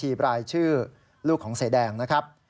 อาธิถสลำบัญชีลูกของเสดงนะครับ